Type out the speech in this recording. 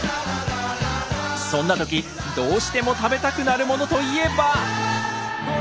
そんな時どうしても食べたくなるものと言えば。